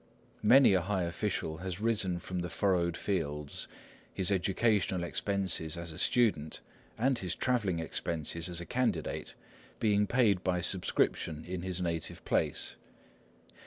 Many a high official has risen from the furrowed fields, his educational expenses as a student, and his travelling expenses as a candidate, being paid by subscription in his native place.